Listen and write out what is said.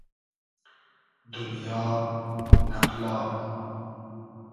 دونیا ، نئقلا